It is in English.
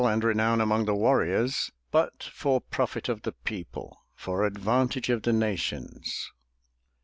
And renown among the warriors, But for profit of the people. For advantage of the nations.